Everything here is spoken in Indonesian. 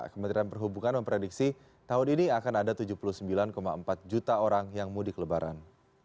kementerian perhubungan memprediksi tahun ini akan ada tujuh puluh sembilan empat juta orang yang mudik lebaran